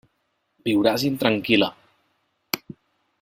Viuràs intranquil·la.